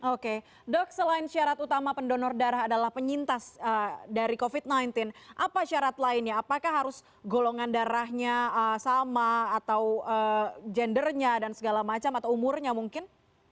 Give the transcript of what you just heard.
oke dok selain syarat utama pendonor darah adalah penyintas dari covid sembilan belas apa syarat lainnya apakah harus golongan darahnya sama atau gendernya dan segala macam atau umurnya mungkin